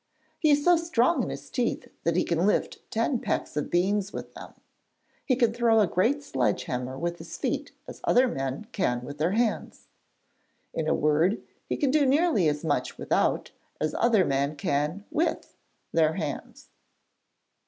He is so strong in his teeth that he can lift ten pecks of beans with them; he can throw a great sledge hammer with his feet as other men can with their hands. In a word, he can do nearly as much without, as other men can with, their hands.'